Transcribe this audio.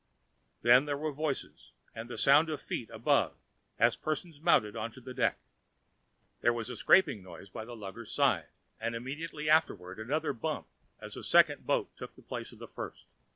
Then there were voices, and the sound of feet above as persons mounted on to the deck. There was a scraping noise by the lugger's side, and immediately afterwards another bump as the second boat took the place of the first.